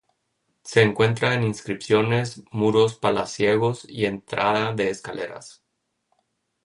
Se encuentra en inscripciones, muros palaciegos y entrada de escaleras.